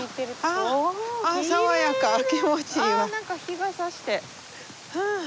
あ何か日がさしてふう。